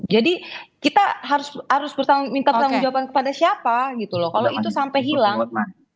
jadi kita harus minta pertanggung jawaban kepada siapa gitu loh kalau itu sampai hilang